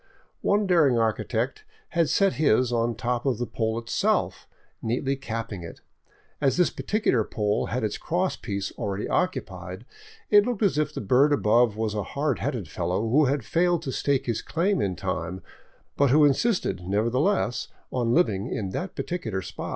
One daring architect had set his on the top of the pole itself, neatly capping it. As this particular pole had its cross piece already occupied, it looked as if the bird above was a hard headed fellow who had failed to stake his claim in time, but who insisted, nevertheless, on living in that particular spot.